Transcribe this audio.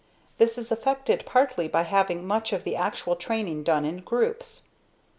This is effected partly by having much of the actual training done in groups.